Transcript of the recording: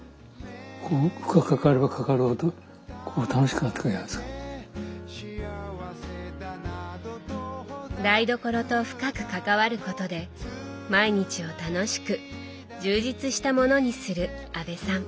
まあ言ってみれば結果的には台所と深く関わることで毎日を楽しく充実したものにする阿部さん。